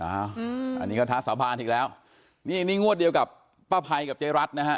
อันนี้ก็ท้าสาบานอีกแล้วนี่นี่งวดเดียวกับป้าภัยกับเจ๊รัฐนะฮะ